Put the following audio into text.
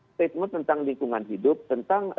statement tentang lingkungan hidup tentang